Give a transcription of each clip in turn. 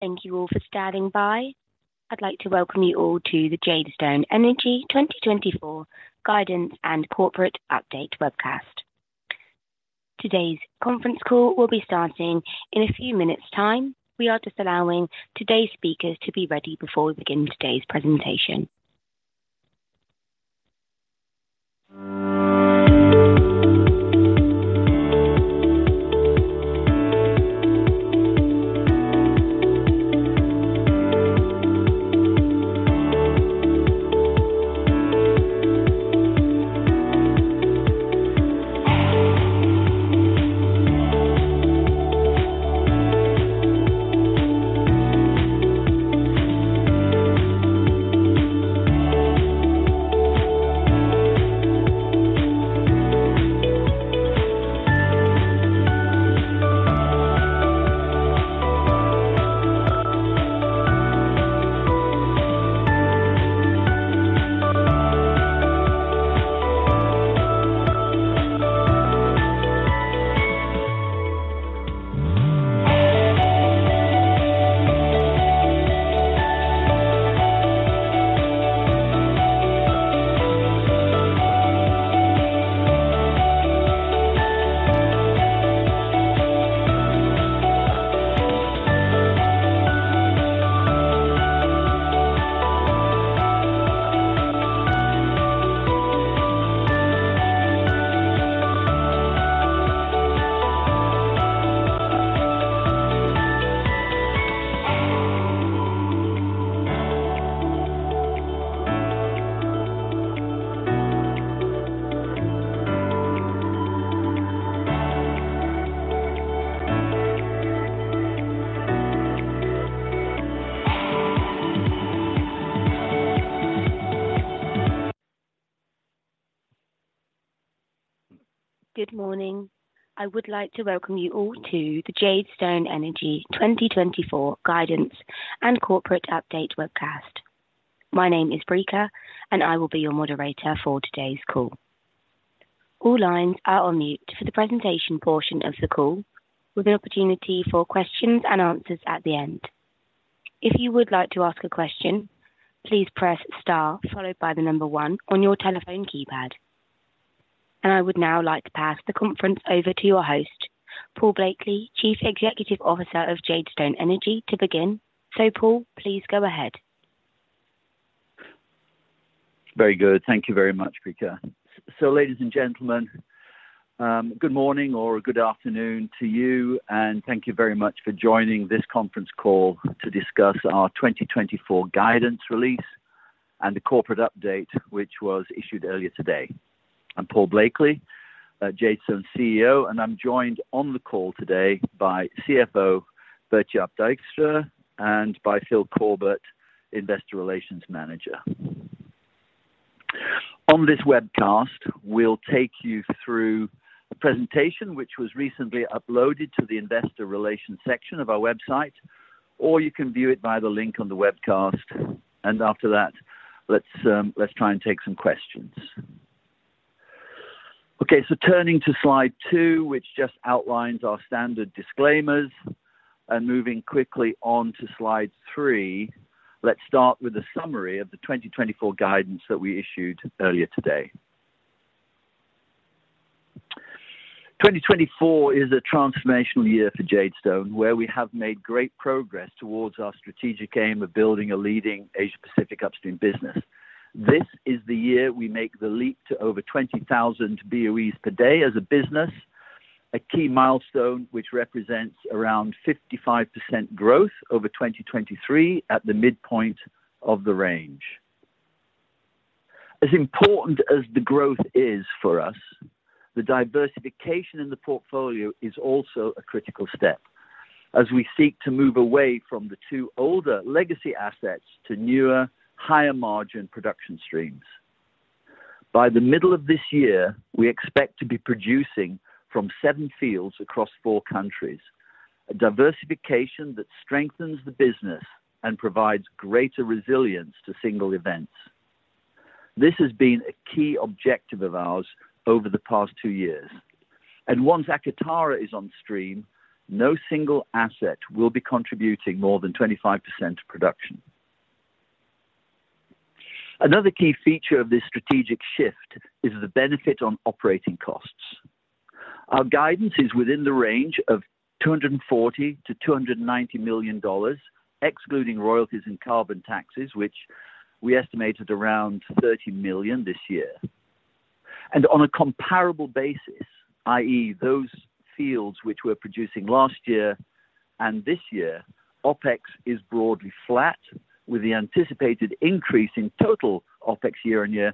Thank you all for standing by. I'd like to welcome you all to the Jadestone Energy 2024 Guidance and Corporate Update webcast. Today's conference call will be starting in a few minutes time. We are just allowing today's speakers to be ready before we begin today's presentation. Good morning. I would like to welcome you all to the Jadestone Energy 2024 Guidance and Corporate Update webcast. My name is Brica, and I will be your moderator for today's call. All lines are on mute for the presentation portion of the call, with an opportunity for questions and answers at the end. If you would like to ask a question, please press Star followed by the number 1 on your telephone keypad. I would now like to pass the conference over to your host, Paul Blakeley, Chief Executive Officer of Jadestone Energy, to begin. Paul, please go ahead. Very good. Thank you very much, Brica. So ladies and gentlemen, good morning or good afternoon to you, and thank you very much for joining this conference call to discuss our 2024 guidance release and the corporate update, which was issued earlier today. I'm Paul Blakeley, Jadestone's CEO, and I'm joined on the call today by CFO, Bert-Jaap Dijkstra, and by Phil Corbett, Investor Relations Manager. On this webcast, we'll take you through a presentation which was recently uploaded to the investor relations section of our website, or you can view it by the link on the webcast. And after that, let's try and take some questions. Okay, so turning to slide 2, which just outlines our standard disclaimers, and moving quickly on to slide 3, let's start with a summary of the 2024 guidance that we issued earlier today. 2024 is a transformational year for Jadestone, where we have made great progress towards our strategic aim of building a leading Asia-Pacific upstream business. This is the year we make the leap to over 20,000 BOEs per day as a business, a key milestone which represents around 55% growth over 2023 at the midpoint of the range. As important as the growth is for us, the diversification in the portfolio is also a critical step as we seek to move away from the two older legacy assets to newer, higher-margin production streams. By the middle of this year, we expect to be producing from seven fields across four countries, a diversification that strengthens the business and provides greater resilience to single events. This has been a key objective of ours over the past 2 years, and once Akatara is on stream, no single asset will be contributing more than 25% to production. Another key feature of this strategic shift is the benefit on operating costs. Our guidance is within the range of $240 million-$290 million, excluding royalties and carbon taxes, which we estimated around $30 million this year. On a comparable basis, i.e. those fields which were producing last year and this year, OpEx is broadly flat, with the anticipated increase in total OpEx year-on-year,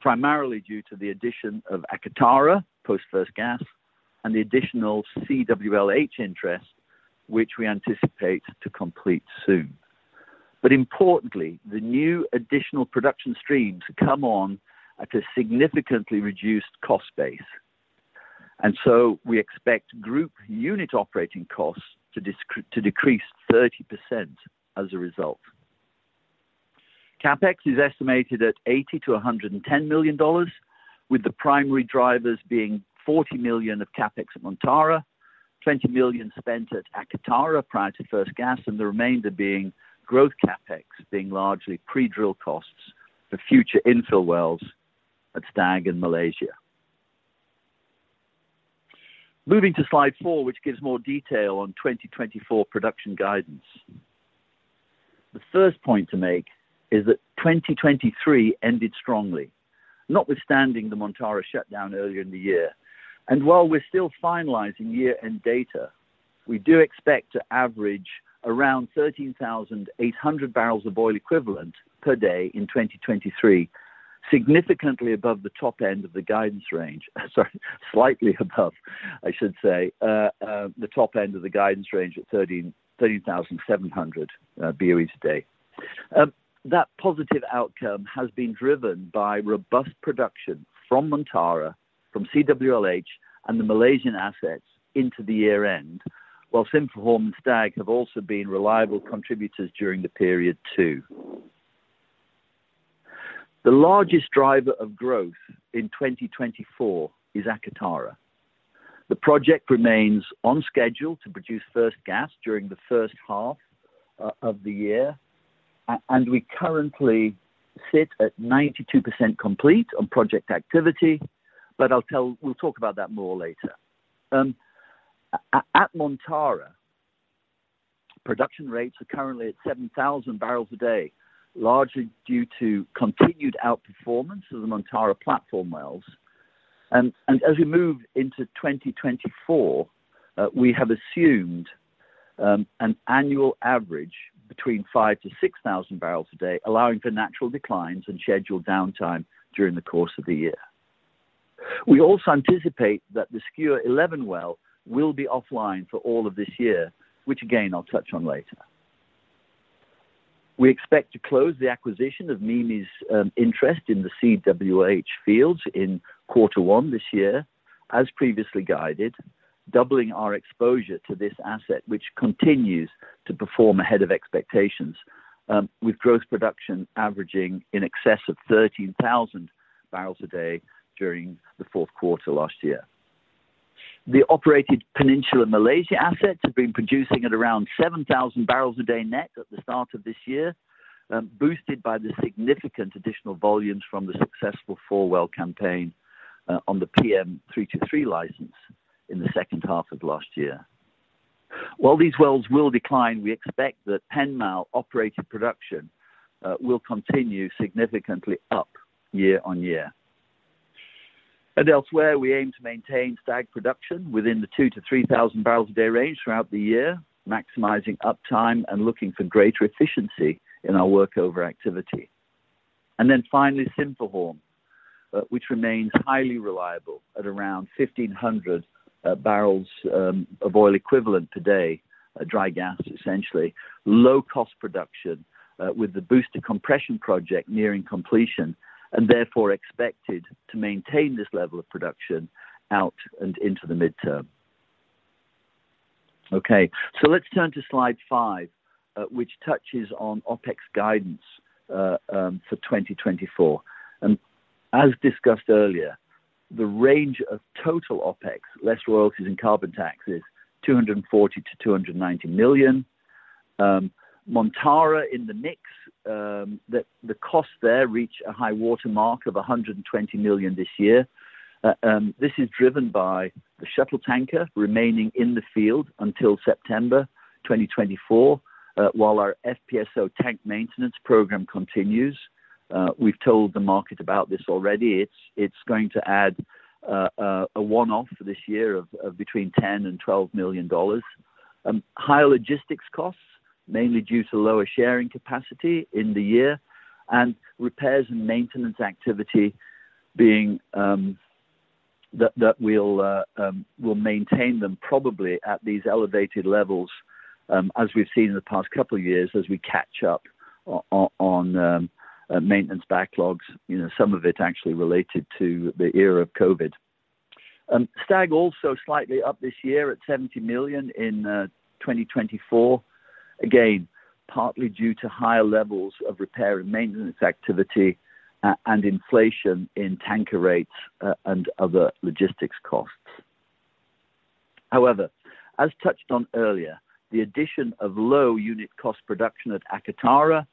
primarily due to the addition of Akatara, post first gas, and the additional CWLH interest, which we anticipate to complete soon. But importantly, the new additional production streams come on at a significantly reduced cost base. We expect group unit operating costs to decrease 30% as a result. CapEx is estimated at $80 million-$110 million, with the primary drivers being $40 million of CapEx at Montara, $20 million spent at Akatara prior to first gas, and the remainder being growth CapEx, being largely pre-drill costs for future infill wells at Stag in Malaysia. Moving to slide 4, which gives more detail on 2024 production guidance. The first point to make is that 2023 ended strongly, notwithstanding the Montara shutdown earlier in the year. And while we're still finalizing year-end data, we do expect to average around 13,800 barrels of oil equivalent per day in 2023, significantly above the top end of the guidance range. Sorry, slightly above, I should say, the top end of the guidance range at 13,700 BOE a day. That positive outcome has been driven by robust production from Montara, from CWLH, and the Malaysian assets into the year-end, while Sinphuhorm and Stag have also been reliable contributors during the period too. The largest driver of growth in 2024 is Akatara. The project remains on schedule to produce first gas during the first half of the year, and we currently sit at 92% complete on project activity, but we'll talk about that more later. At Montara, production rates are currently at 7,000 barrels a day, largely due to continued outperformance of the Montara platform wells. As we move into 2024, we have assumed an annual average between 5,000-6,000 barrels a day, allowing for natural declines and scheduled downtime during the course of the year. We also anticipate that the Skua-11 well will be offline for all of this year, which again, I'll touch on later. We expect to close the acquisition of MIMI's interest in the CWLH fields in quarter one this year, as previously guided, doubling our exposure to this asset, which continues to perform ahead of expectations, with gross production averaging in excess of 13,000 barrels a day during the fourth quarter last year. The operated PenMal assets have been producing at around 7,000 barrels a day net at the start of this year, boosted by the significant additional volumes from the successful 4-well campaign on the PM323 license in the second half of last year. While these wells will decline, we expect that PenMal operated production will continue significantly up year-on-year. And elsewhere, we aim to maintain Stag production within the 2,000-3,000 barrels a day range throughout the year, maximizing uptime and looking for greater efficiency in our workover activity. And then finally, Sinphuhorm, which remains highly reliable at around 1,500 barrels of oil equivalent today, dry gas, essentially. Low-cost production with the booster compression project nearing completion, and therefore expected to maintain this level of production out and into the midterm. Okay, so let's turn to slide 5, which touches on OpEx guidance for 2024. As discussed earlier, the range of total OpEx, less royalties and carbon taxes, $240-$290 million. Montara in the mix, the cost there reach a high-water mark of $120 million this year. This is driven by the shuttle tanker remaining in the field until September 2024, while our FPSO tank maintenance program continues. We've told the market about this already. It's going to add a one-off for this year of between $10-$12 million. Higher logistics costs, mainly due to lower sharing capacity in the year, and repairs and maintenance activity being that will maintain them probably at these elevated levels, as we've seen in the past couple of years, as we catch up on maintenance backlogs, you know, some of it actually related to the era of COVID. Stag also slightly up this year at $70 million in 2024. Again, partly due to higher levels of repair and maintenance activity, and inflation in tanker rates, and other logistics costs. However, as touched on earlier, the addition of low unit cost production at Akatara,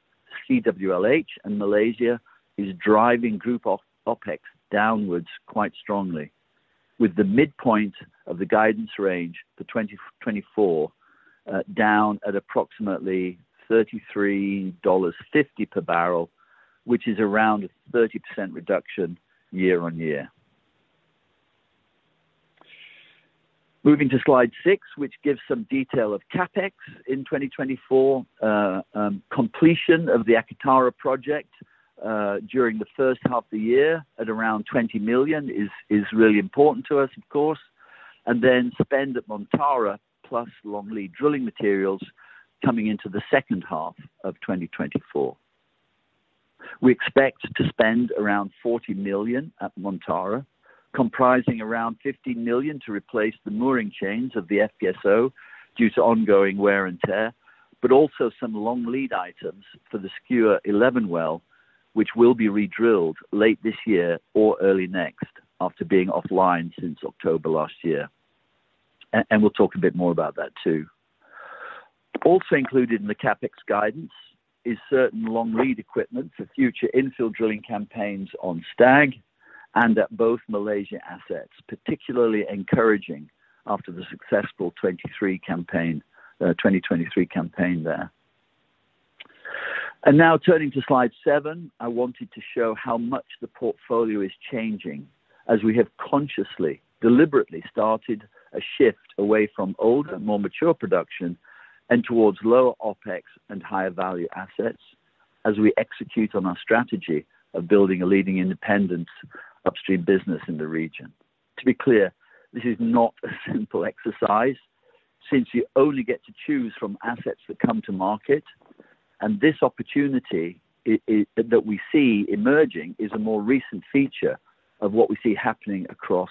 CWLH, and Malaysia is driving group OpEx downwards quite strongly, with the midpoint of the guidance range for 2024 down at approximately $33.50 per barrel, which is around a 30% reduction year-on-year. Moving to slide 6, which gives some detail of CapEx in 2024, completion of the Akatara project during the first half of the year, at around $20 million is, is really important to us, of course. And then spend at Montara, plus long lead drilling materials coming into the second half of 2024. We expect to spend around $40 million at Montara. comprising around $50 million to replace the mooring chains of the FPSO due to ongoing wear and tear, but also some long lead items for the Skua-11 well, which will be redrilled late this year or early next, after being offline since October last year. And we'll talk a bit more about that, too. Also included in the CapEx guidance is certain long lead equipment for future infill drilling campaigns on Stag, and at both Malaysia assets, particularly encouraging after the successful 2023 campaign, twenty twenty-three campaign there. And now turning to slide 7, I wanted to show how much the portfolio is changing, as we have consciously, deliberately started a shift away from older, more mature production, and towards lower OpEx and higher value assets, as we execute on our strategy of building a leading independent upstream business in the region. To be clear, this is not a simple exercise, since you only get to choose from assets that come to market, and this opportunity, that we see emerging, is a more recent feature of what we see happening across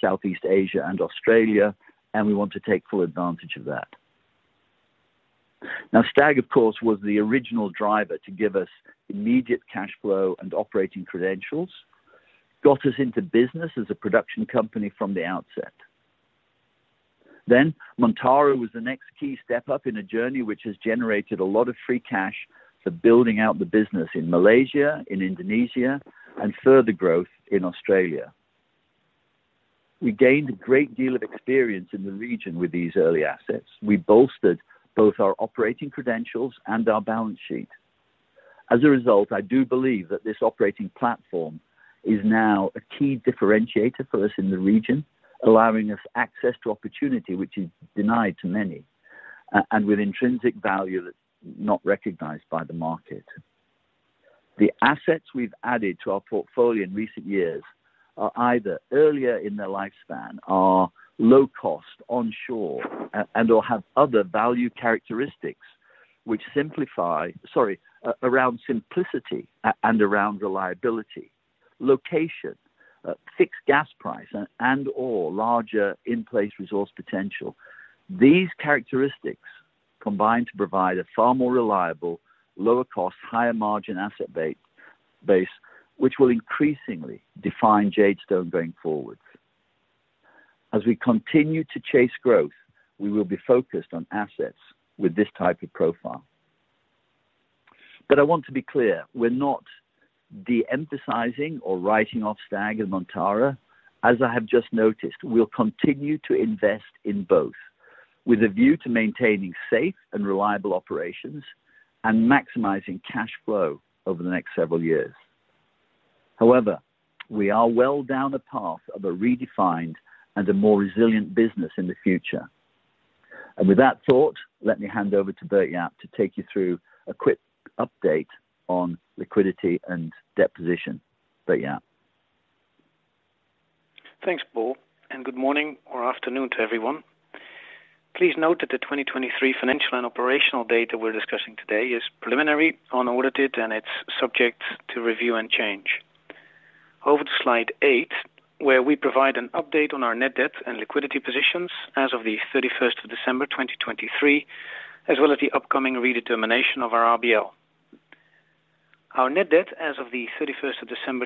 Southeast Asia and Australia, and we want to take full advantage of that. Now, Stag, of course, was the original driver to give us immediate cash flow and operating credentials, got us into business as a production company from the outset. Then Montara was the next key step up in a journey which has generated a lot of free cash for building out the business in Malaysia, in Indonesia, and further growth in Australia. We gained a great deal of experience in the region with these early assets. We bolstered both our operating credentials and our balance sheet. As a result, I do believe that this operating platform is now a key differentiator for us in the region, allowing us access to opportunity which is denied to many, and with intrinsic value that's not recognized by the market. The assets we've added to our portfolio in recent years are either earlier in their lifespan, are low cost, onshore, and/or have other value characteristics around simplicity and around reliability, location, fixed gas price, and/or larger in place resource potential. These characteristics combine to provide a far more reliable, lower cost, higher margin asset base, which will increasingly define Jadestone going forward. As we continue to chase growth, we will be focused on assets with this type of profile. But I want to be clear, we're not de-emphasizing or writing off Stag and Montara. As I have just noticed, we'll continue to invest in both, with a view to maintaining safe and reliable operations and maximizing cash flow over the next several years. However, we are well down a path of a redefined and a more resilient business in the future. With that thought, let me hand over to Bert-Jaap to take you through a quick update on liquidity and debt position. Bert-Jaap. Thanks, Paul, and good morning or afternoon to everyone. Please note that the 2023 financial and operational data we're discussing today is preliminary, unaudited, and it's subject to review and change. Over to slide 8, where we provide an update on our net debt and liquidity positions as of December 31, 2023, as well as the upcoming redetermination of our RBL. Our net debt as of December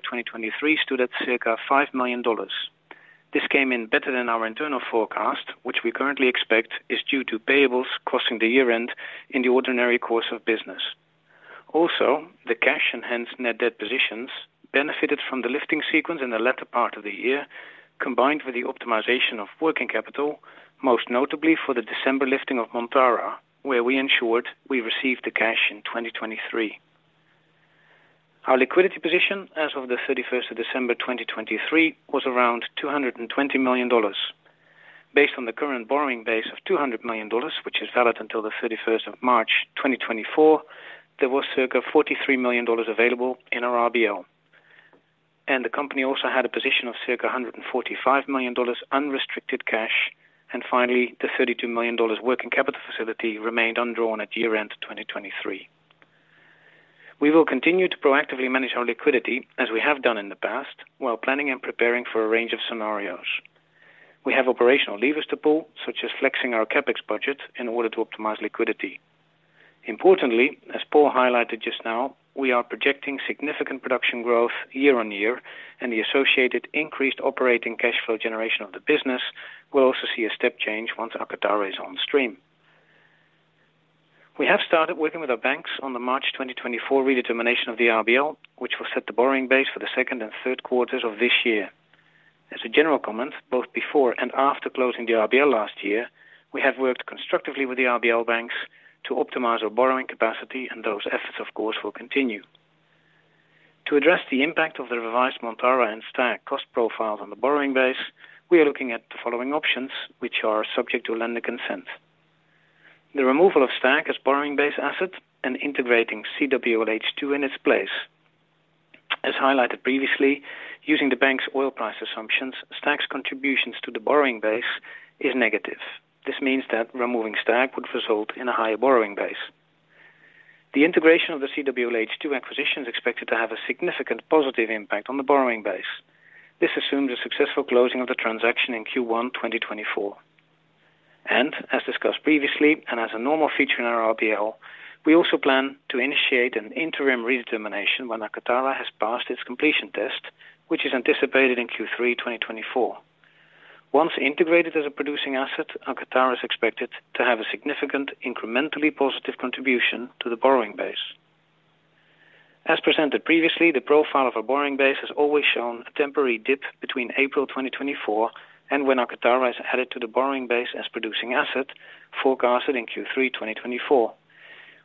31, 2023, stood at circa $5 million. This came in better than our internal forecast, which we currently expect is due to payables crossing the year-end in the ordinary course of business. Also, the cash and hence net debt positions benefited from the lifting sequence in the latter part of the year, combined with the optimization of working capital, most notably for the December lifting of Montara, where we ensured we received the cash in 2023. Our liquidity position as of December 31, 2023, was around $220 million. Based on the current borrowing base of $200 million, which is valid until March 31, 2024, there was circa $43 million available in our RBL. And the company also had a position of circa $145 million unrestricted cash, and finally, the $32 million working capital facility remained undrawn at year-end 2023. We will continue to proactively manage our liquidity, as we have done in the past, while planning and preparing for a range of scenarios. We have operational levers to pull, such as flexing our CapEx budget in order to optimize liquidity. Importantly, as Paul highlighted just now, we are projecting significant production growth year-on-year, and the associated increased operating cash flow generation of the business will also see a step change once Akatara is on stream. We have started working with our banks on the March 2024 redetermination of the RBL, which will set the borrowing base for the second and third quarters of this year. As a general comment, both before and after closing the RBL last year, we have worked constructively with the RBL banks to optimize our borrowing capacity, and those efforts, of course, will continue. To address the impact of the revised Montara and Stag cost profiles on the borrowing base, we are looking at the following options, which are subject to lender consent. The removal of Stag as borrowing base asset and integrating CWLH in its place. As highlighted previously, using the bank's oil price assumptions, Stag's contributions to the borrowing base is negative. This means that removing Stag would result in a higher borrowing base. The integration of the CWLH acquisition is expected to have a significant positive impact on the borrowing base. This assumes a successful closing of the transaction in Q1 2024. As discussed previously, and as a normal feature in our RBL, we also plan to initiate an interim redetermination when Akatara has passed its completion test, which is anticipated in Q3 2024. Once integrated as a producing asset, Akatara is expected to have a significant incrementally positive contribution to the borrowing base. As presented previously, the profile of our borrowing base has always shown a temporary dip between April 2024 and when Akatara is added to the borrowing base as producing asset forecasted in Q3 2024.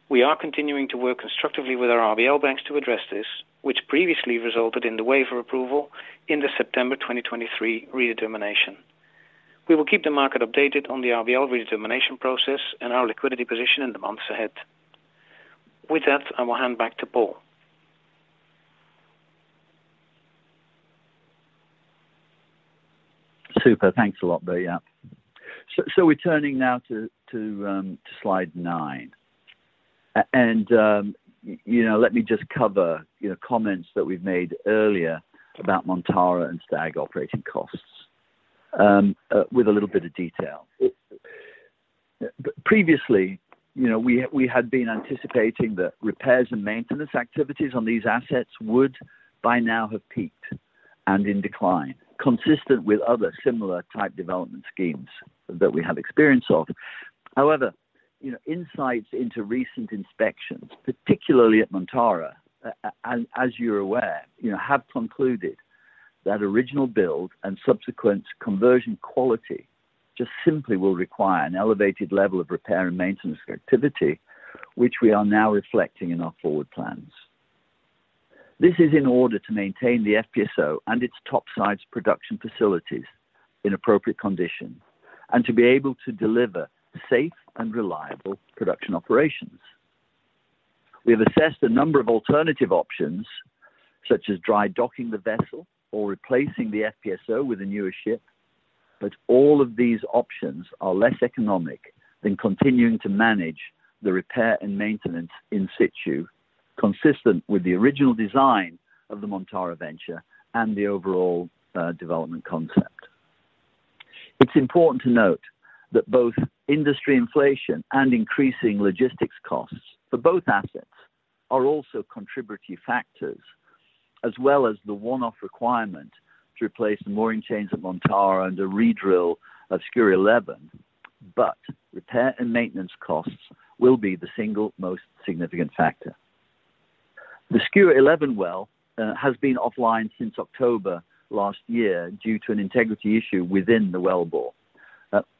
We are continuing to work constructively with our RBL banks to address this, which previously resulted in the waiver approval in the September 2023 redetermination. We will keep the market updated on the RBL redetermination process and our liquidity position in the months ahead. With that, I will hand back to Paul. Super. Thanks a lot, Bert-Jaap. Yeah. So, we're turning now to slide nine. And, you know, let me just cover, you know, comments that we've made earlier about Montara and Stag operating costs, with a little bit of detail. Previously, you know, we had been anticipating that repairs and maintenance activities on these assets would by now have peaked and in decline, consistent with other similar type development schemes that we have experience of. However, you know, insights into recent inspections, particularly at Montara, and as you're aware, you know, have concluded that original build and subsequent conversion quality just simply will require an elevated level of repair and maintenance activity, which we are now reflecting in our forward plans. This is in order to maintain the FPSO and its top sides production facilities in appropriate condition and to be able to deliver safe and reliable production operations. We have assessed a number of alternative options, such as dry docking the vessel or replacing the FPSO with a newer ship, but all of these options are less economic than continuing to manage the repair and maintenance in situ, consistent with the original design of the Montara Venture and the overall, development concept. It's important to note that both industry inflation and increasing logistics costs for both assets are also contributory factors, as well as the one-off requirement to replace the mooring chains of Montara and the redrill of Skua-11, but repair and maintenance costs will be the single most significant factor. The Skua-11 well has been offline since October last year due to an integrity issue within the wellbore.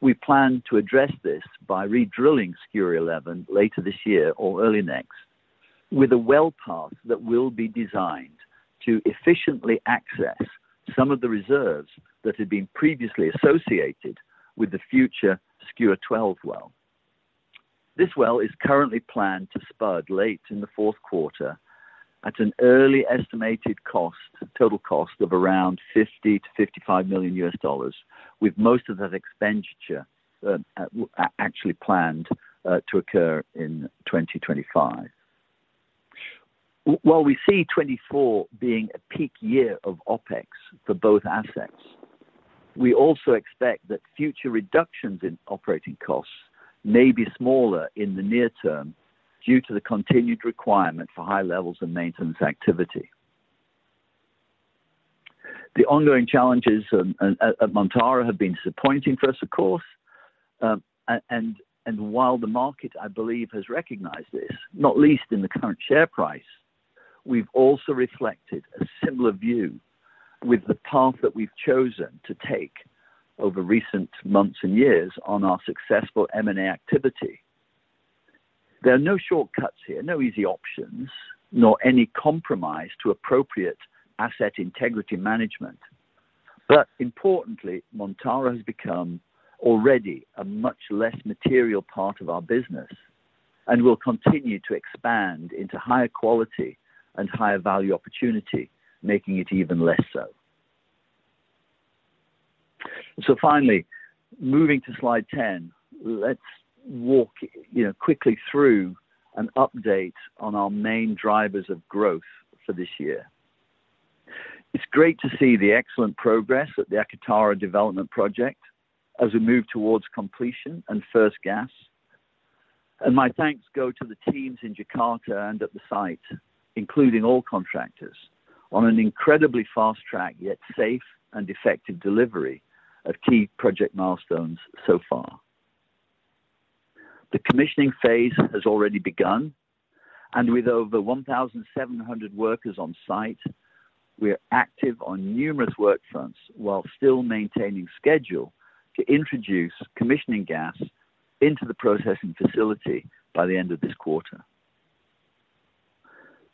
We plan to address this by redrilling Skua-11 later this year or early next, with a well path that will be designed to efficiently access some of the reserves that had been previously associated with the future Skua-12 well. This well is currently planned to spud late in the fourth quarter at an early estimated cost, total cost of around $50-$55 million, with most of that expenditure actually planned to occur in 2025. While we see 2024 being a peak year of OpEx for both assets, we also expect that future reductions in operating costs may be smaller in the near term due to the continued requirement for high levels of maintenance activity. The ongoing challenges of at Montara have been disappointing for us, of course, and while the market, I believe, has recognized this, not least in the current share price, we've also reflected a similar view with the path that we've chosen to take over recent months and years on our successful M&A activity. There are no shortcuts here, no easy options, nor any compromise to appropriate asset integrity management. But importantly, Montara has become already a much less material part of our business and will continue to expand into higher quality and higher value opportunity, making it even less so. So finally, moving to slide 10, let's walk, you know, quickly through an update on our main drivers of growth for this year. It's great to see the excellent progress at the Akatara development project as we move towards completion and first gas. My thanks go to the teams in Jakarta and at the site, including all contractors, on an incredibly fast track, yet safe and effective delivery of key project milestones so far. The commissioning phase has already begun, and with over 1,700 workers on site, we are active on numerous work fronts while still maintaining schedule to introduce commissioning gas into the processing facility by the end of this quarter.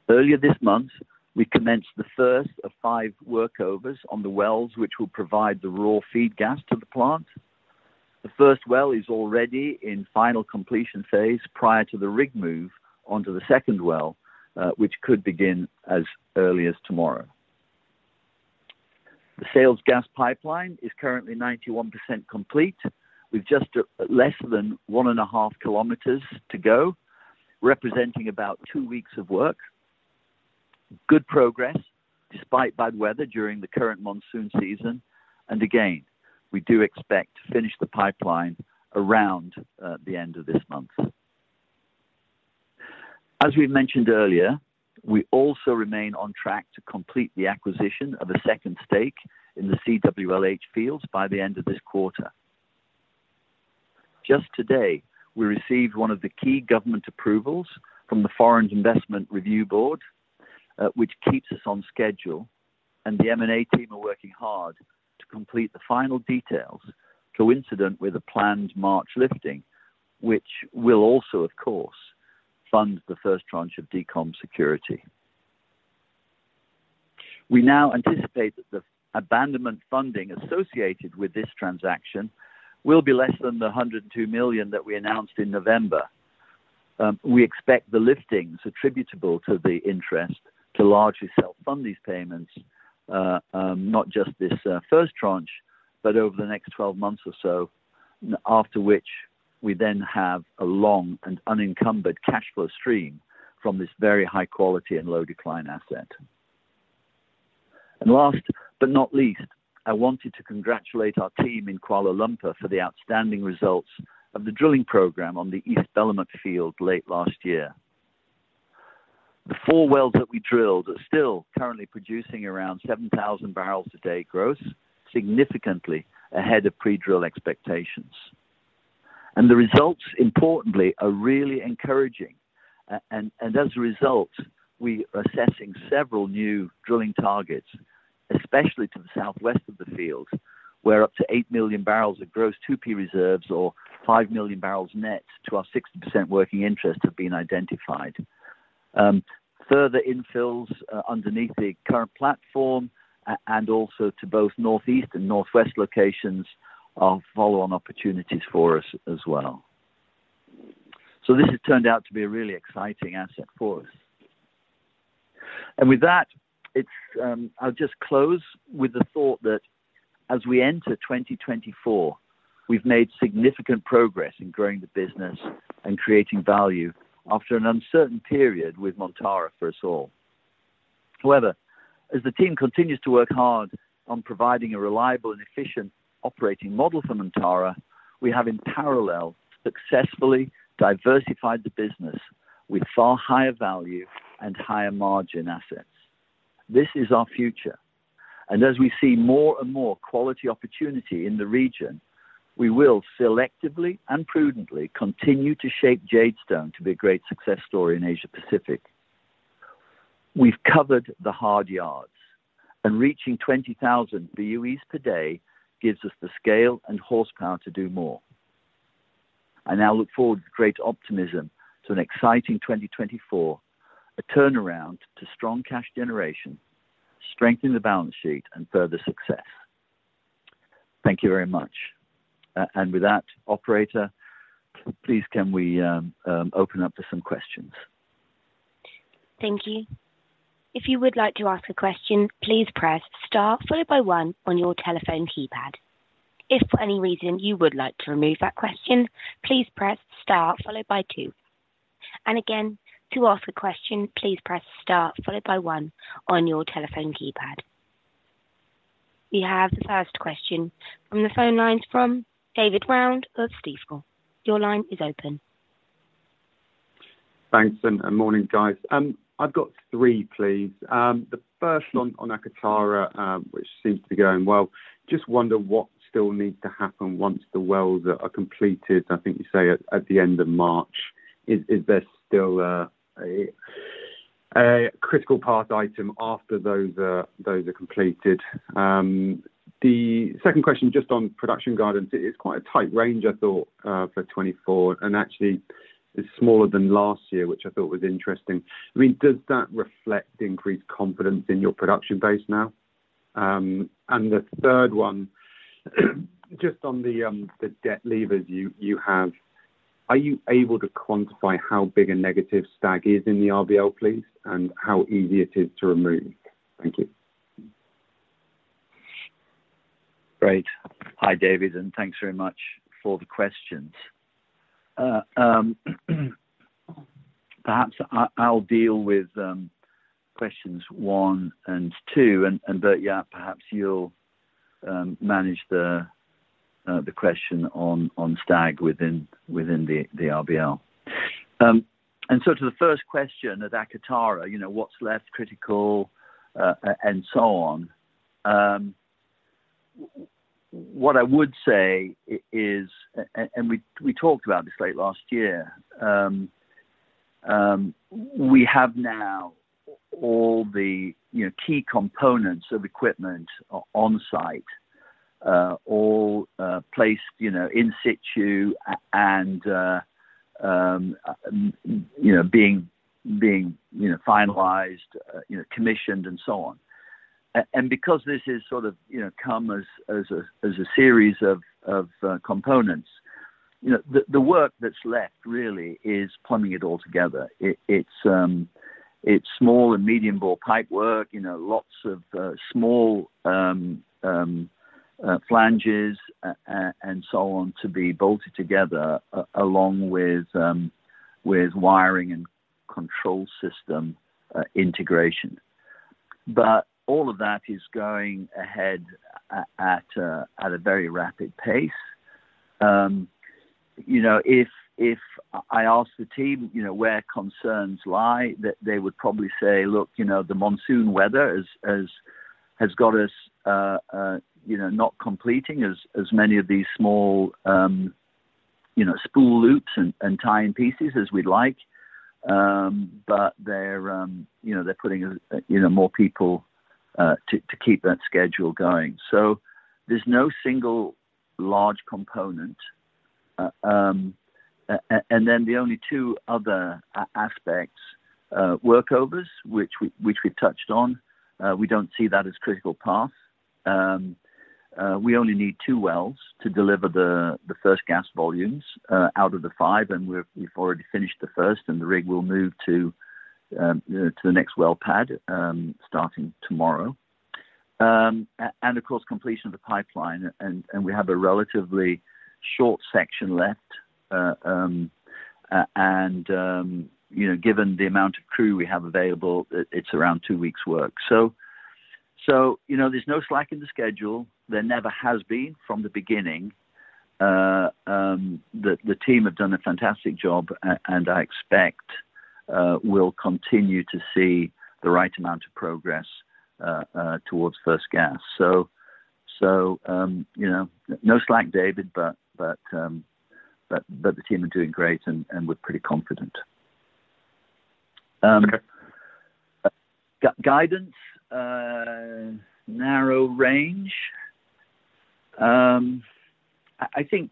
Earlier this month, we commenced the first of five workovers on the wells, which will provide the raw feed gas to the plant. The first well is already in final completion phase prior to the rig move onto the second well, which could begin as early as tomorrow. The sales gas pipeline is currently 91% complete, with just, less than 1.5 km to go, representing about two weeks of work. Good progress, despite bad weather during the current monsoon season, and again, we do expect to finish the pipeline around the end of this month. As we mentioned earlier, we also remain on track to complete the acquisition of a second stake in the CWLH fields by the end of this quarter. Just today, we received one of the key government approvals from the Foreign Investment Review Board, which keeps us on schedule, and the M&A team are working hard to complete the final details, coincident with a planned March lifting, which will also, of course, fund the first tranche of DECOM security. We now anticipate that the abandonment funding associated with this transaction will be less than the $102 million that we announced in November. We expect the liftings attributable to the interest to largely self-fund these payments, not just this first tranche, but over the next 12 months or so, after which we then have a long and unencumbered cash flow stream from this very high quality and low decline asset. Last but not least, I wanted to congratulate our team in Kuala Lumpur for the outstanding results of the drilling program on the East Belumut field late last year. The four wells that we drilled are still currently producing around 7,000 barrels a day growth, significantly ahead of pre-drill expectations. The results, importantly, are really encouraging. As a result, we are assessing several new drilling targets, especially to the southwest of the field, where up to 8 million barrels of gross 2P reserves or 5 million barrels net to our 60% working interest have been identified. Further infills underneath the current platform, and also to both northeast and northwest locations, are follow-on opportunities for us as well. So this has turned out to be a really exciting asset for us. And with that, it's, I'll just close with the thought that as we enter 2024, we've made significant progress in growing the business and creating value after an uncertain period with Montara, for us all. However, as the team continues to work hard on providing a reliable and efficient operating model for Montara, we have, in parallel, successfully diversified the business with far higher value and higher margin assets. This is our future, and as we see more and more quality opportunity in the region, we will selectively and prudently continue to shape Jadestone to be a great success story in Asia Pacific. We've covered the hard yards, and reaching 20,000 BOEs per day gives us the scale and horsepower to do more. I now look forward with great optimism to an exciting 2024, a turnaround to strong cash generation, strengthen the balance sheet, and further success. Thank you very much. And with that, operator, please, can we open up to some questions? Thank you. If you would like to ask a question, please press Star followed by one on your telephone keypad. If for any reason you would like to remove that question, please press Star followed by two. Again, to ask a question, please press Star followed by one on your telephone keypad. We have the first question from the phone lines from David Round of Stifel. Your line is open. Thanks and morning, guys. I've got three, please. The first on Akatara, which seems to be going well. Just wonder what still needs to happen once the wells are completed, I think you say at the end of March. Is there still a critical path item after those are completed? The second question, just on production guidance, it is quite a tight range, I thought, for 2024, and actually it's smaller than last year, which I thought was interesting. I mean, does that reflect increased confidence in your production base now? And the third one, just on the debt levers you have, are you able to quantify how big a negative Stag is in the RBL, please, and how easy it is to remove? Thank you. Great. Hi, David, and thanks very much for the questions. Perhaps I'll deal with questions one and two, and Bert-Jaap, perhaps you'll manage the question on Stag within the RBL. So to the first question at Akatara, you know, what's less critical, and so on. What I would say is, and we talked about this late last year. We have now all the, you know, key components of equipment on site, all placed, you know, in situ and, you know, being finalized, you know, commissioned, and so on. And because this is sort of, you know, come as a series of components. You know, the work that's left really is plumbing it all together. It's small and medium bore pipework, you know, lots of small flanges and so on, to be bolted together, along with wiring and control system integration. But all of that is going ahead at a very rapid pace. You know, if I ask the team, you know, where concerns lie, they would probably say, "Look, you know, the monsoon weather has got us, you know, not completing as many of these small, you know, spool loops and tie-in pieces as we'd like." But they're, you know, they're putting, you know, more people to keep that schedule going. So there's no single large component. And then the only two other aspects, workovers, which we touched on. We don't see that as critical path. We only need 2 wells to deliver the first gas volumes out of the 5, and we've already finished the first, and the rig will move to the next well pad starting tomorrow. And of course, completion of the pipeline, and we have a relatively short section left. And you know, given the amount of crew we have available, it's around 2 weeks work. So you know, there's no slack in the schedule. There never has been from the beginning. The team have done a fantastic job, and I expect we'll continue to see the right amount of progress towards first gas. So, you know, no slack, David, but the team are doing great, and we're pretty confident. Okay. Guidance, narrow range. I think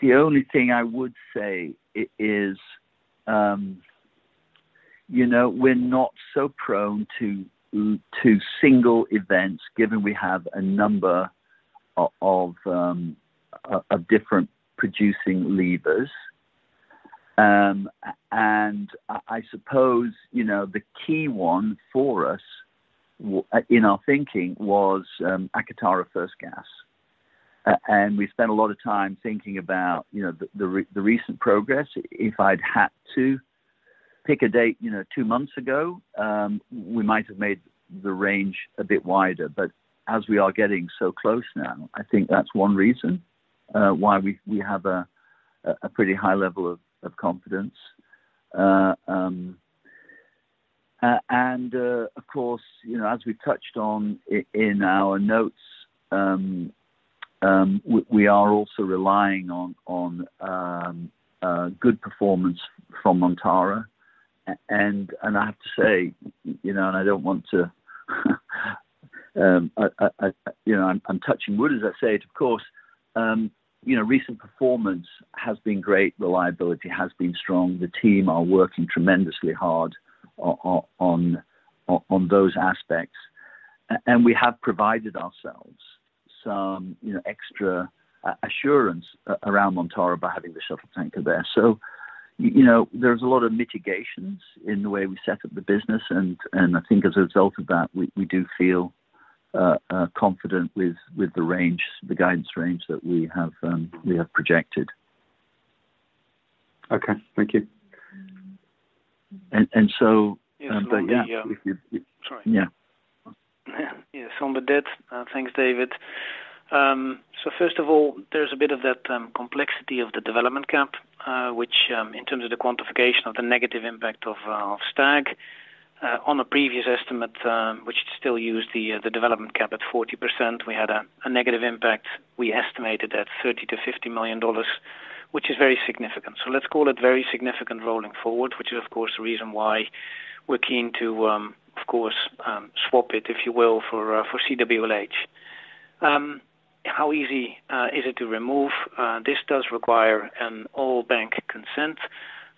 the only thing I would say is, you know, we're not so prone to single events, given we have a number of different producing levers. And I suppose, you know, the key one for us in our thinking was Akatara first gas. And we spent a lot of time thinking about, you know, the recent progress. If I'd had to pick a date, you know, two months ago, we might have made the range a bit wider. But as we are getting so close now, I think that's one reason why we have a pretty high level of confidence. Of course, you know, as we touched on in our notes, we are also relying on good performance from Montara. And I have to say, you know, and I don't want to, you know, I'm touching wood as I say it. Of course, you know, recent performance has been great. Reliability has been strong. The team are working tremendously hard on those aspects. And we have provided ourselves some, you know, extra assurance around Montara by having the shuttle tanker there. So, you know, there's a lot of mitigations in the way we set up the business, and I think as a result of that, we do feel confident with the range, the guidance range that we have projected. Okay, thank you. And so, but yeah. Sorry. Yeah. Yeah, so on the debt, thanks, David. So first of all, there's a bit of that complexity of the development cap, which, in terms of the quantification of the negative impact of Stag on the previous estimate, which still use the development cap at 40%, we had a negative impact. We estimated at $30 million-$50 million, which is very significant. So let's call it very significant rolling forward, which is, of course, the reason why we're keen to, of course, swap it, if you will, for CWLH. How easy is it to remove? This does require an all-bank consent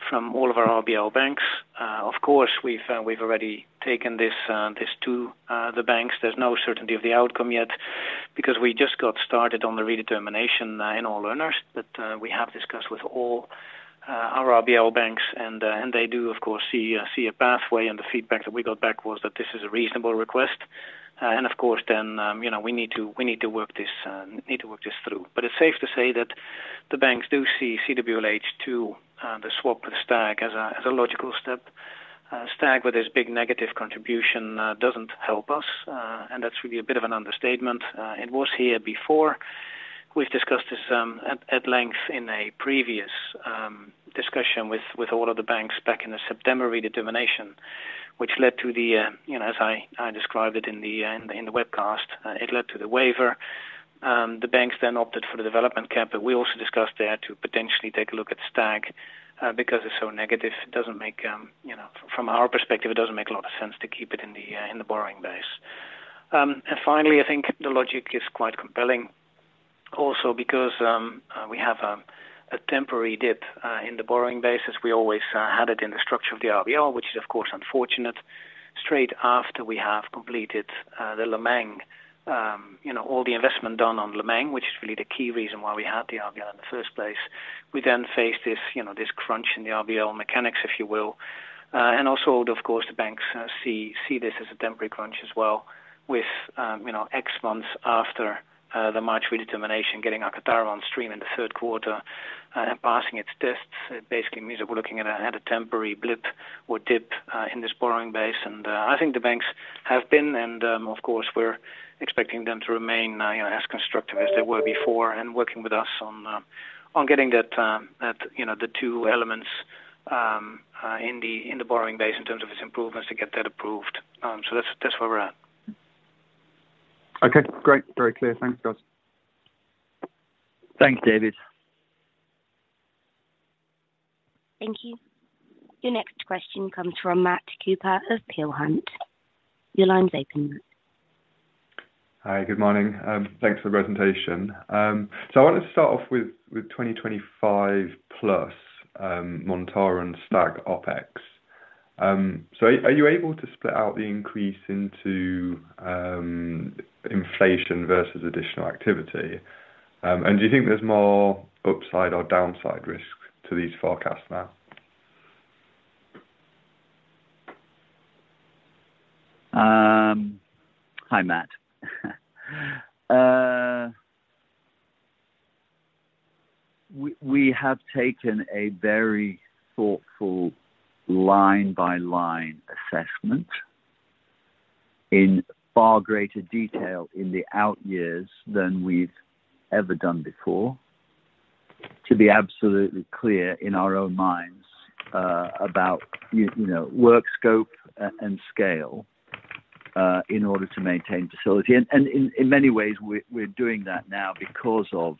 from all of our RBL banks. Of course, we've already taken this to the banks. There's no certainty of the outcome yet because we just got started on the redetermination in all areas. But we have discussed with all our RBL banks, and they do, of course, see a pathway, and the feedback that we got back was that this is a reasonable request. And of course, then, you know, we need to work this through. But it's safe to say that the banks do see CWLH to the swap with STAG as a logical step. STAG, with this big negative contribution, doesn't help us, and that's really a bit of an understatement. It was here before. We've discussed this at length in a previous discussion with all of the banks back in the September redetermination, which led to the, you know, as I described it in the webcast, it led to the waiver. The banks then opted for the development cap, but we also discussed there to potentially take a look at Stag, because it's so negative, it doesn't make, you know, from our perspective, it doesn't make a lot of sense to keep it in the borrowing base. And finally, I think the logic is quite compelling also because we have a temporary dip in the borrowing basis. We always had it in the structure of the RBL, which is of course unfortunate. Straight after we have completed, the Lemang, you know, all the investment done on Lemang, which is really the key reason why we had the RBL in the first place. We then faced this, you know, this crunch in the RBL mechanics, if you will. And also, of course, the banks see this as a temporary crunch as well with, you know, X months after the March redetermination, getting our Akatara on stream in the third quarter and passing its tests. It basically means that we're looking at a temporary blip or dip in this borrowing base, and I think the banks have been and, of course, we're expecting them to remain, you know, as constructive as they were before, and working with us on getting that, you know, the two elements in the borrowing base in terms of its improvements to get that approved. So that's where we're at. Okay, great. Very clear. Thanks, guys. Thanks, David. Thank you. Your next question comes from Matt Cooper of Peel Hunt. Your line's open, Matt. Hi, good morning. Thanks for the presentation. So I wanted to start off with 2025 plus, Montara and Stag OpEx. So are you able to split out the increase into inflation versus additional activity? And do you think there's more upside or downside risk to these forecasts now? Hi, Matt. We have taken a very thoughtful line-by-line assessment in far greater detail in the out years than we've ever done before, to be absolutely clear in our own minds, about, you know, work scope and scale, in order to maintain facility. And in many ways, we're doing that now because of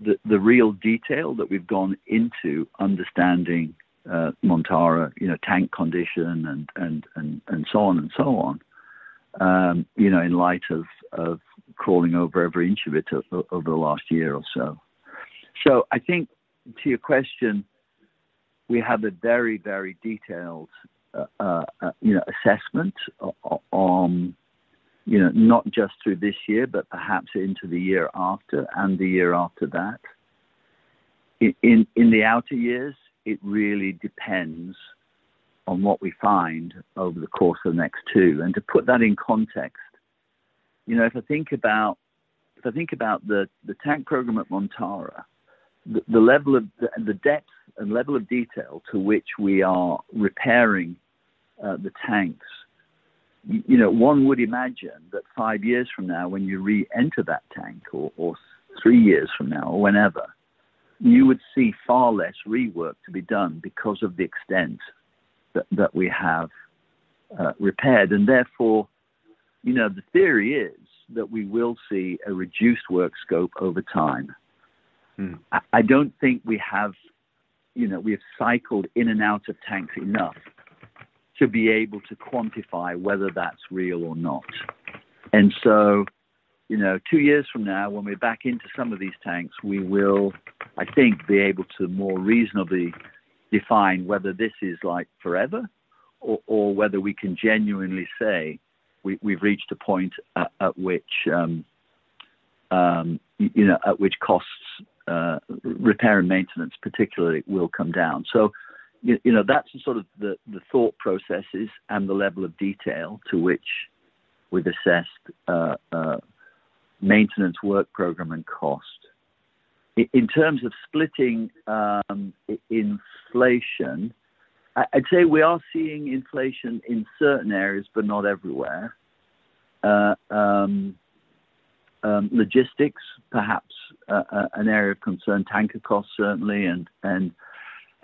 the real detail that we've gone into understanding, Montara, you know, tank condition and so on and so on, you know, in light of crawling over every inch of it over the last year or so. So I think to your question, we have a very, very detailed, you know, assessment on, you know, not just through this year, but perhaps into the year after and the year after that. In the outer years, it really depends on what we find over the course of the next two. And to put that in context, you know, if I think about the tank program at Montara, the level and the depth and level of detail to which we are repairing the tanks, you know, one would imagine that five years from now, when you reenter that tank or three years from now, or whenever, you would see far less rework to be done because of the extent that we have repaired. And therefore, you know, the theory is that we will see a reduced work scope over time. Mm. I don't think we have, you know, we have cycled in and out of tanks enough to be able to quantify whether that's real or not. So, you know, 2 years from now, when we're back into some of these tanks, we will, I think, be able to more reasonably define whether this is, like, forever or whether we can genuinely say we've reached a point at which you know, at which costs repair and maintenance, particularly, will come down. So, you know, that's the sort of the thought processes and the level of detail to which we've assessed maintenance work program and cost. In terms of splitting inflation, I'd say we are seeing inflation in certain areas, but not everywhere. Logistics, perhaps, an area of concern, tanker costs, certainly, and,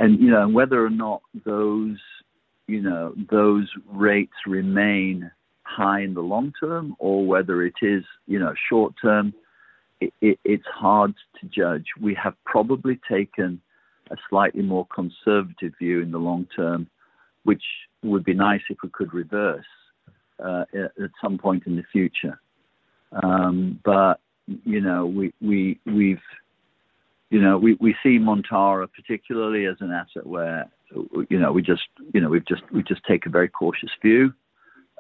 you know, whether or not those, you know, those rates remain high in the long term or whether it is, you know, short term, it, it's hard to judge. We have probably taken a slightly more conservative view in the long term, which would be nice if we could reverse at some point in the future. But, you know, we see Montara particularly as an asset where, you know, we just take a very cautious view.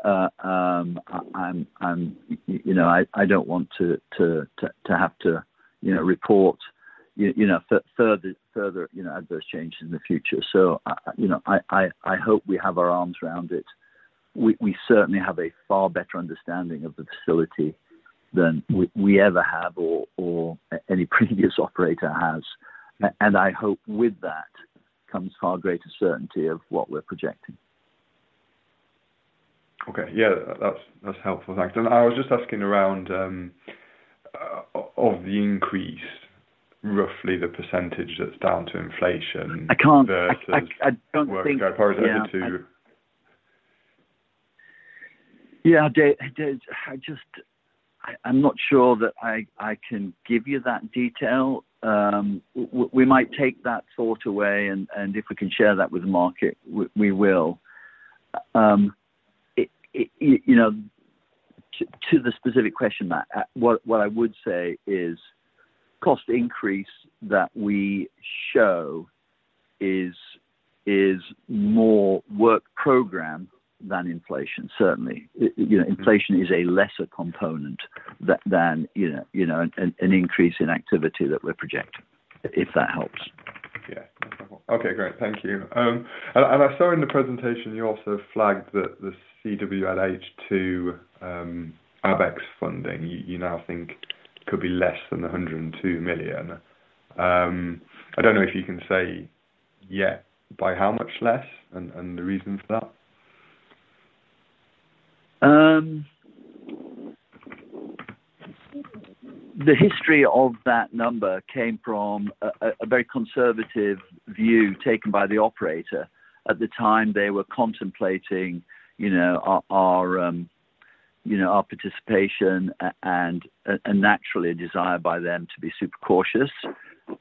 And, you know, I don't want to have to, you know, report further, you know, adverse changes in the future. I, you know, hope we have our arms around it. We certainly have a far better understanding of the facility than we ever have or any previous operator has, and I hope with that comes far greater certainty of what we're projecting. Okay. Yeah, that's, that's helpful. Thanks. And I was just asking around, of the increase, roughly the percentage that's down to inflation- I can't-... versus- I don't think, yeah... work accordingly to. Yeah, I just, I'm not sure that I can give you that detail. We might take that thought away, and if we can share that with the market, we will. To the specific question, Matt, what I would say is cost increase that we show is more work program than inflation, certainly. You know, inflation is a lesser component than you know, an increase in activity that we're projecting, if that helps. Yeah. Okay, great. Thank you. I saw in the presentation you also flagged the CWLH 2, ABEX funding. You now think could be less than $102 million. I don't know if you can say yet, by how much less and the reason for that? The history of that number came from a very conservative view taken by the operator. At the time, they were contemplating, you know, our participation and naturally a desire by them to be super cautious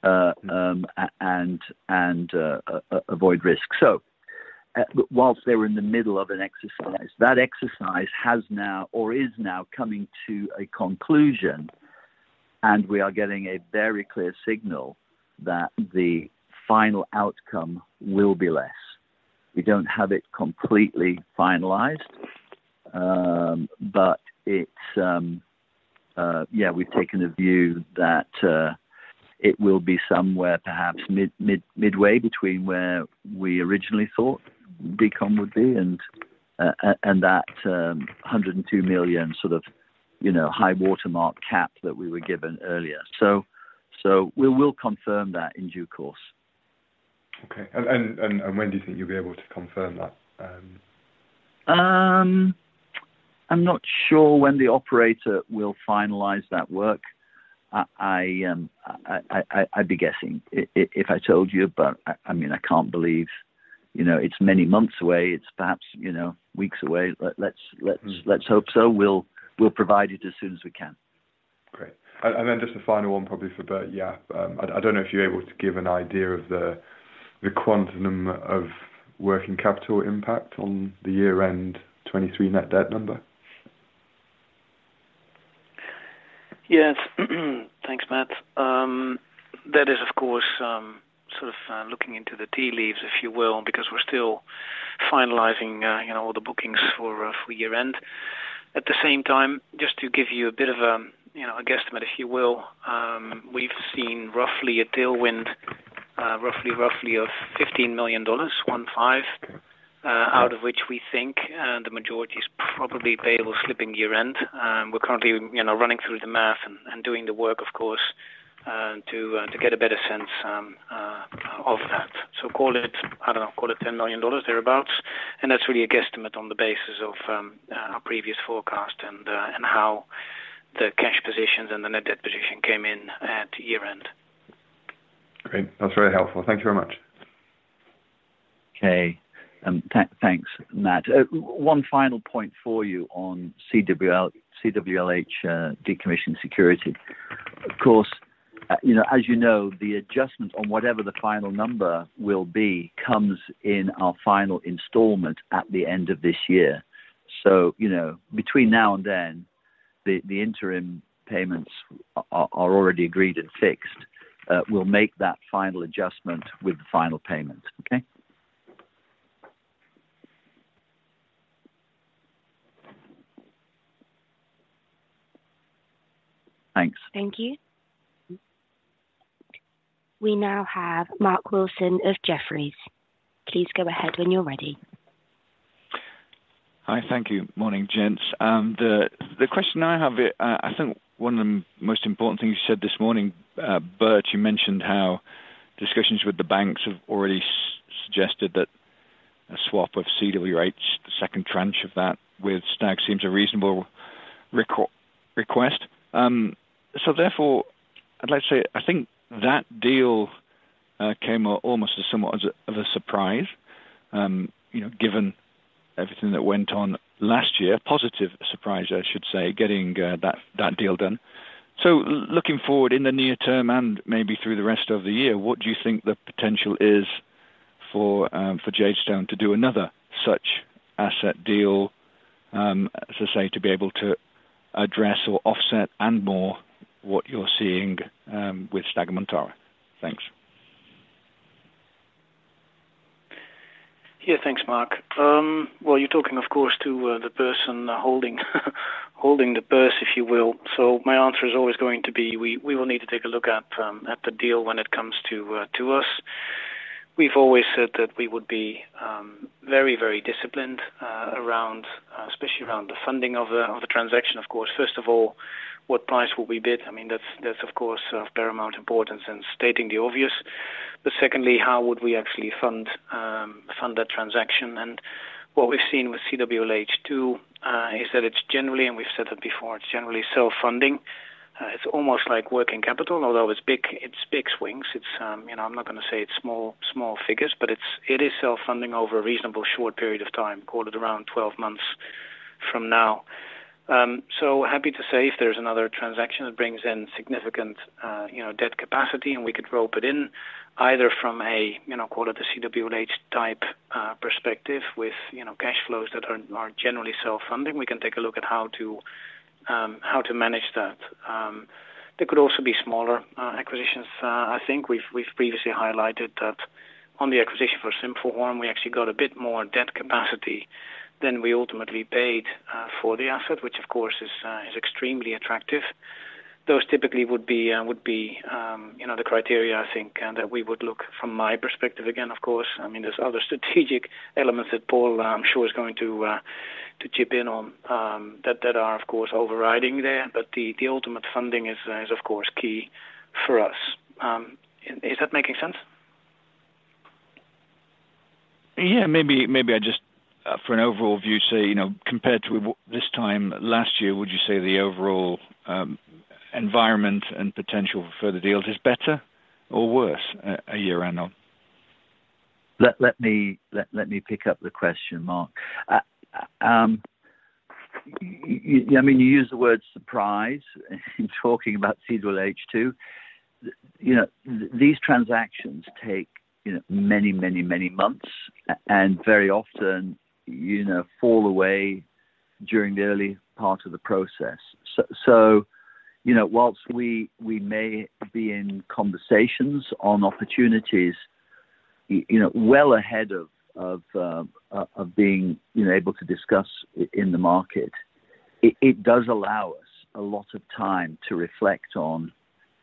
and avoid risk. But whilst they were in the middle of an exercise, that exercise has now or is now coming to a conclusion, and we are getting a very clear signal that the final outcome will be less. We don't have it completely finalized, but it's yeah, we've taken a view that it will be somewhere perhaps midway between where we originally thought decom would be and that $102 million sort of, you know, high watermark cap that we were given earlier. So, we will confirm that in due course. Okay. And when do you think you'll be able to confirm that? I'm not sure when the operator will finalize that work. I'd be guessing if I told you, but I mean, I can't believe, you know, it's many months away. It's perhaps, you know, weeks away. Let's hope so. We'll provide it as soon as we can. Great. And then just a final one, probably for Bert-Jaap. I don't know if you're able to give an idea of the quantum of working capital impact on the year-end 2023 net debt number? Yes. Thanks, Matt. That is, of course, sort of, looking into the tea leaves, if you will, because we're still finalizing, you know, all the bookings for, for year-end. At the same time, just to give you a bit of, you know, a guesstimate, if you will, we've seen roughly a tailwind, roughly, roughly of $15 million, one five, out of which we think, the majority is probably payable slipping year-end. We're currently, you know, running through the math and, and doing the work, of course, to, to get a better sense, of that. So call it, I don't know, call it $10 million, thereabout, and that's really a guesstimate on the basis of our previous forecast and how the cash positions and the net debt position came in at year-end. Great. That's very helpful. Thank you very much. Okay. Thanks, Matt. One final point for you on CWLH, decommissioning security. Of course, you know, as you know, the adjustment on whatever the final number will be comes in our final installment at the end of this year. So, you know, between now and then, the interim payments are already agreed and fixed. We'll make that final adjustment with the final payment. Okay? Thanks. Thank you. We now have Mark Wilson of Jefferies. Please go ahead when you're ready. Hi. Thank you. Morning, gents. The question I have, I think one of the most important things you said this morning, Bert, you mentioned how discussions with the banks have already suggested that a swap of CWLH, the second tranche of that with Stag, seems a reasonable request. So therefore, I'd like to say, I think that deal came up almost as somewhat as a, of a surprise, you know, given everything that went on last year. Positive surprise, I should say, getting that deal done. So looking forward in the near term and maybe through the rest of the year, what do you think the potential is for Jadestone to do another such asset deal, so say, to be able to address or offset and more what you're seeing with Stag Montara? Thanks. Yeah, thanks, Mark. Well, you're talking, of course, to the person holding the purse, if you will. So my answer is always going to be, we will need to take a look at the deal when it comes to us. We've always said that we would be very, very disciplined around, especially around the funding of the transaction, of course. First of all, what price will we bid? I mean, that's of course, of paramount importance and stating the obvious. But secondly, how would we actually fund that transaction? And what we've seen with CWLH too is that it's generally, and we've said it before, it's generally self-funding. It's almost like working capital, although it's big, it's big swings. It's, you know, I'm not gonna say it's small, small figures, but it is self-funding over a reasonable short period of time, call it around 12 months from now. So happy to say, if there's another transaction that brings in significant, you know, debt capacity, and we could rope it in, either from a, you know, call it a CWLH type perspective with, you know, cash flows that are generally self-funding, we can take a look at how to manage that. There could also be smaller acquisitions. I think we've previously highlighted that on the acquisition for Sinphuhorm, we actually got a bit more debt capacity than we ultimately paid for the asset, which of course is extremely attractive. Those typically would be, you know, the criteria, I think, and that we would look from my perspective again, of course. I mean, there's other strategic elements that Paul, I'm sure, is going to to chip in on, that are, of course, overriding there. But the ultimate funding is of course, key for us. Is that making sense? Yeah, maybe, maybe I just, for an overall view, say, you know, compared to this time last year, would you say the overall environement and potential for further deals is better or worse, a year and on? Let me pick up the question, Mark. I mean, you use the word surprise in talking about CWLH. You know, these transactions take, you know, many, many, many months, and very often, you know, fall away during the early part of the process. So, you know, whilst we, we may be in conversations on opportunities, you know, well ahead of, of being, you know, able to discuss in the market, it, it does allow us a lot of time to reflect on,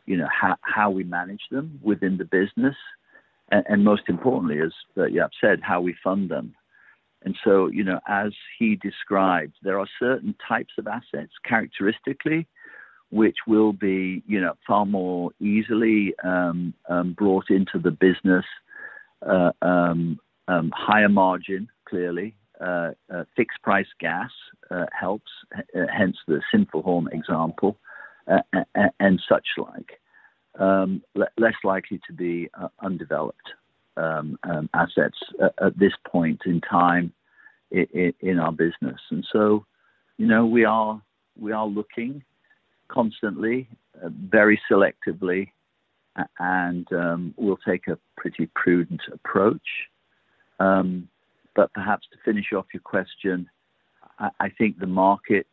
you know, how, how we manage them within the business, and most importantly, as Jaap said, how we fund them. And so, you know, as he described, there are certain types of assets, characteristically, which will be, you know, far more easily brought into the business, higher margin, clearly, fixed price gas helps, hence, the Sinphuhorm example, and such like. Less likely to be undeveloped assets at this point in time in our business. And so, you know, we are looking constantly, very selectively, and we'll take a pretty prudent approach. But perhaps to finish off your question, I think the market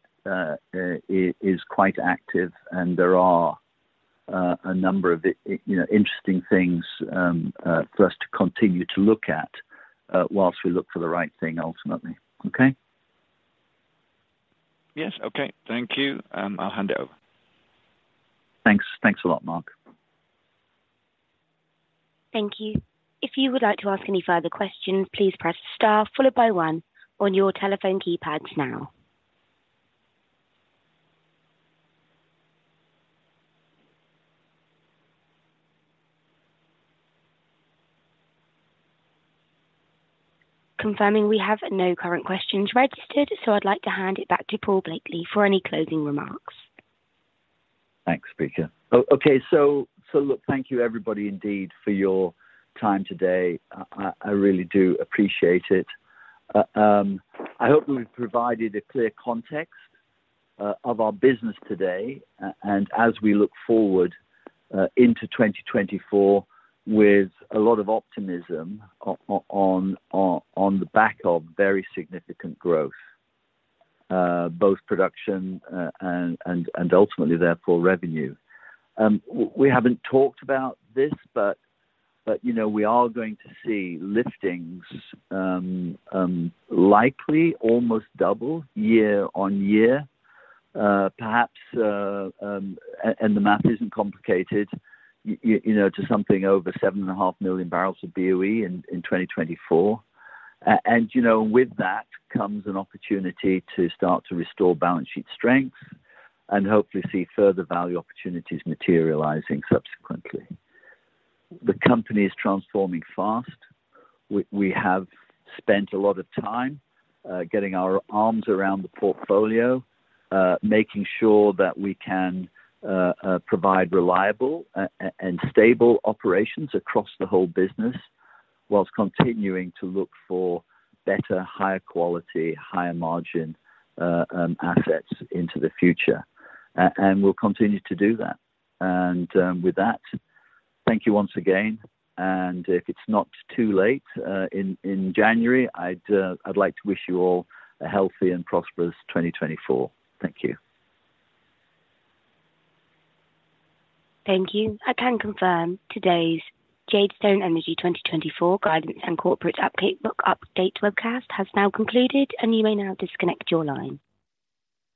is quite active, and there are a number of, you know, interesting things for us to continue to look at, whilst we look for the right thing, ultimately. Okay? Yes, okay. Thank you. I'll hand it over. Thanks. Thanks a lot, Mark. Thank you. If you would like to ask any further questions, please press star followed by one on your telephone keypads now. Confirming we have no current questions registered, so I'd like to hand it back to Paul Blakeley for any closing remarks. Thanks, speaker. Okay, so look, thank you everybody, indeed, for your time today. I really do appreciate it. I hope we've provided a clear context of our business today, and as we look forward into 2024 with a lot of optimism on the back of very significant growth, both production and ultimately therefore, revenue. We haven't talked about this, but you know, we are going to see liftings likely almost double year-on-year, perhaps, and the math isn't complicated, you know, to something over 7.5 million barrels of BOE in 2024. And you know, with that comes an opportunity to start to restore balance sheet strength and hopefully see further value opportunities materializing subsequently. The company is transforming fast. We have spent a lot of time getting our arms around the portfolio, making sure that we can provide reliable and stable operations across the whole business, while continuing to look for better, higher quality, higher margin assets into the future. And we'll continue to do that. And with that, thank you once again. And if it's not too late, in January, I'd like to wish you all a healthy and prosperous 2024. Thank you. Thank you. I can confirm today's Jadestone Energy 2024 Guidance and Corporate Update, Update Webcast has now concluded, and you may now disconnect your line.